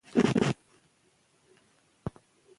د سېرټونین او امګډالا اړیکه د غوسې شدت کنټرولوي.